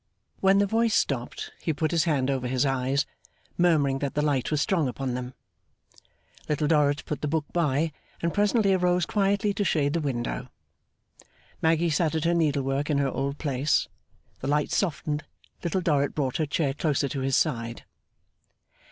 When the voice stopped, he put his hand over his eyes, murmuring that the light was strong upon them. Little Dorrit put the book by, and presently arose quietly to shade the window. Maggy sat at her needlework in her old place. The light softened, Little Dorrit brought her chair closer to his side.